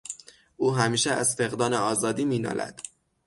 او همیشه از فقدان آزادی مینالد.